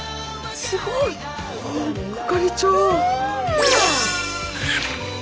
すごい！係長！